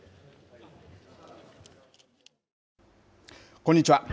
こんにちは。